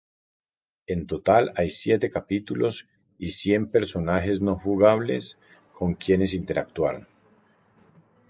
En total hay siete capítulos y cien personajes no jugables con quienes interactuar.